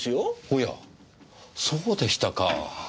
おやそうでしたか。